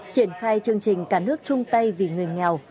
triển khai chương trình cả nước trung tây vì người nghèo